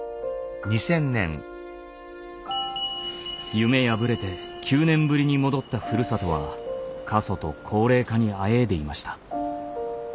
夢破れて９年ぶりに戻ったふるさとは過疎と高齢化にあえいでいました。